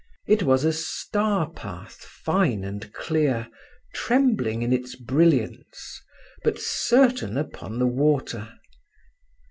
It was a star path fine and clear, trembling in its brilliance, but certain upon the water.